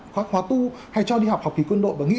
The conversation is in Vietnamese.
khóa tu hay cho đi học học kỹ quân đội và nghĩ